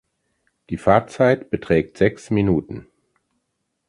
Die Fahrtzeit beträgt sechs Minuten.